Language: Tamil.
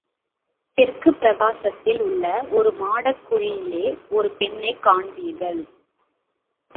தெற்குப் பிரகாரத்தில் உள்ள ஒரு மாடக் குழியிலே ஒரு பெண்ணைக் காண்பீர்கள்.